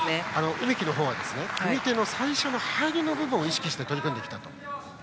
梅木の方は組み手の最初の入りの部分を意識して取り組んできたと。